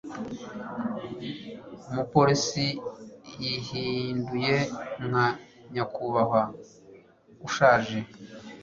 umupolisi yihinduye nka nyakubahwa ushaje